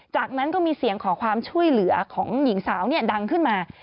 จากนั้นก็มีเสียงขอความช่วยเหลือของหญิงสาวดังขึ้นมา